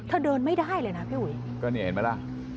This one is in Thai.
เธอเดินไม่ได้เลยนะพี่อุ๋ยก็เห็นมั้ยล่ะ